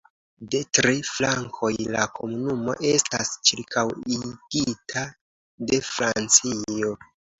De tri flankoj la komunumo estas ĉirkaŭigita de Francio.